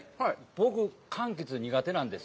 僕、かんきつ苦手なんです。